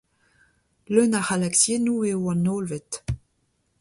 Leun a c'halaksiennoù eo an Hollved.